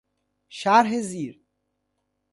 شرح زیر